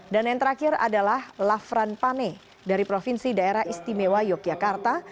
dan yang terakhir adalah lafran pane dari provinsi daerah istimewa yogyakarta